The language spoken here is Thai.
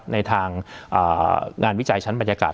ในทางงานวิจัยชั้นบรรยากาศ